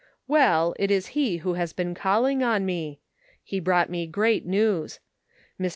" Well, it is he who has been calling on me ; he brought great news. Mr.